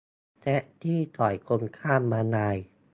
แท็กซี่ต่อยคนข้ามม้าลาย